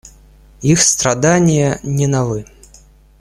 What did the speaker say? Их страдания не новы.